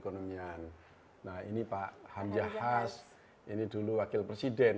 nah ini pak hamzahas ini dulu wakil presiden